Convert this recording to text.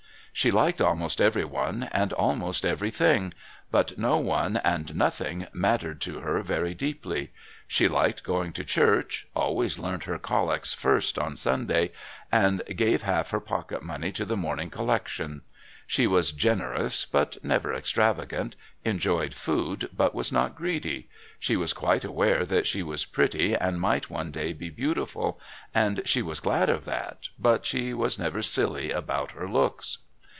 She liked almost everyone and almost everything, but no one and nothing mattered to her very deeply; she liked going to church, always learnt her Collect first on Sunday, and gave half her pocket money to the morning collection. She was generous but never extravagant, enjoyed food but was not greedy. She was quite aware that she was pretty and might one day be beautiful, and she was glad of that, but she was never silly about her looks.